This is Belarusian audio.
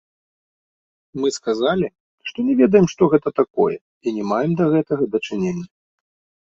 Мы сказалі, што не ведаем што гэта такое і не маем да гэтага дачынення.